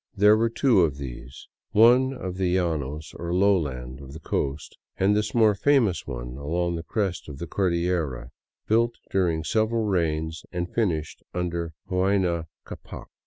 There were two of these; one of the llanos, or lowlands of the coast, and this more famous one along the crest of the cordillera, built during several reigns and finished under Huayna Ccapac.